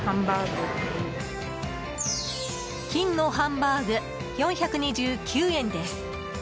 金のハンバーグ、４２９円です。